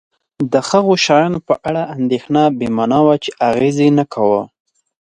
د هغو شیانو په اړه اندېښنه بې مانا وه چې اغېز یې نه کاوه.